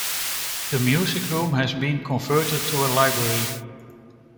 The music room has been converted to a library.